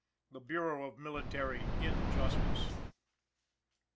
THE BUREAU OF MILITARY (IN)JUSTICE.